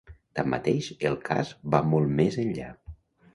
Tanmateix, el cas va molt més enllà.